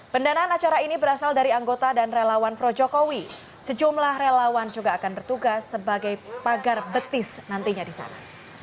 pendanaan acara ini berasal dari anggota dan relawan projokowi sejumlah relawan juga akan bertugas sebagai pagar betis nantinya di sana